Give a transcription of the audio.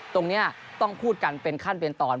ตรงนี้ต้องพูดกันเป็นขั้นเป็นตอน